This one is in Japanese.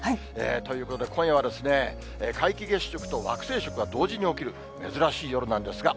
ということで、今夜は皆既月食と惑星食が同時に起きる、珍しい夜なんですが。